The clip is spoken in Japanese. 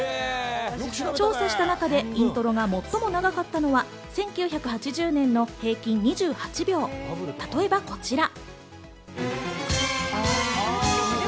調査した中でイントロが最も長かったのは１９８０年の平均２８秒、例えばこちら。